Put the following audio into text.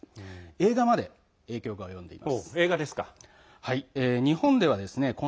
映画まで影響が及んでいます。